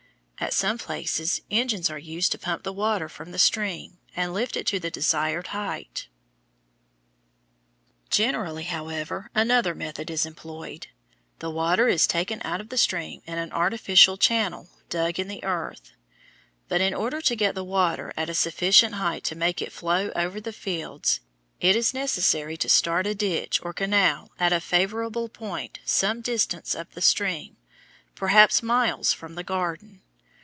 At some places engines are used to pump the water from the stream and lift it to the desired height. [Illustration: FIG. 115. IRRIGATING AN ALFALFA FIELD, ARIZONA] Generally, however, another method is employed: the water is taken out of the stream in an artificial channel dug in the earth. But in order to get the water at a sufficient height to make it flow over the fields, it is necessary to start a ditch or canal at a favorable point some distance up the stream, perhaps miles from the garden.